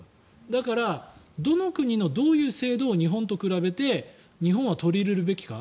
だからどの国のどういう制度を日本と比べて日本は取り入れるべきか。